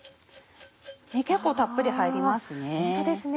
結構たっぷり入りますね。